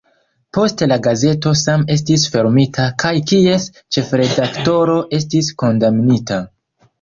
Poste la gazeto same estis fermita, kaj kies ĉefredaktoro estis kondamnita.